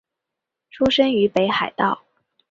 出身于北海道。